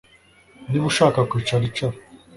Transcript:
Niba ushaka kwicara icara